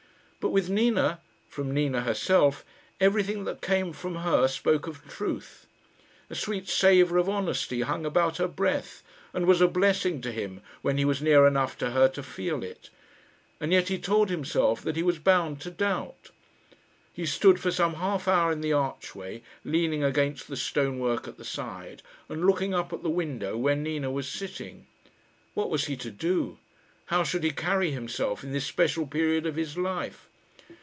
But with Nina from Nina herself everything that came from her spoke of truth. A sweet savour of honesty hung about her breath, and was a blessing to him when he was near enough to her to feel it. And yet he told himself that he was bound to doubt. He stood for some half hour in the archway, leaning against the stonework at the side, and looking up at the window where Nina was sitting. What was he to do? How should he carry himself in this special period of his life?